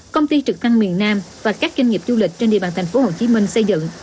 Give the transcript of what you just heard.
công ty trực thăng miền nam và các doanh nghiệp du lịch trên địa bàn thành phố hồ chí minh xây dựng